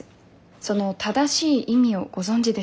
その正しい意味をご存じでしょうか？